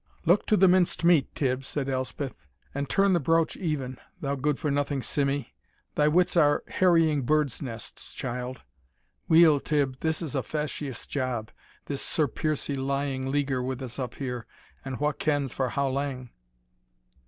"Look to the minced meat, Tibb," said Elspeth; "and turn the broach even, thou good for nothing Simmie, thy wits are harrying birds' nests, child. Weel, Tibb, this is a fasheous job, this Sir Piercie lying leaguer with us up here, and wha kens for how lang?"